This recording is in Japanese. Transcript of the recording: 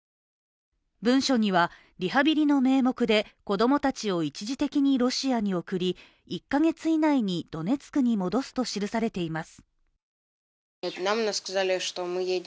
文書にはリハビリの名目で子供たちを一時的にロシアに送り１か月以内にドネツクに戻すと記されています。